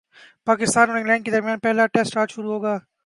پاکستان اور انگلینڈ کے درمیان پہلا ٹیسٹ اج شروع ہوگا